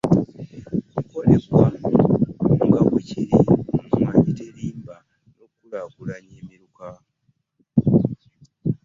Kukolebwa nga bwekiri mu Mmwanyi Terimba n'okukulaakulanya emiruka